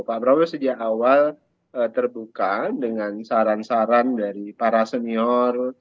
pak prabowo sejak awal terbuka dengan saran saran dari para senior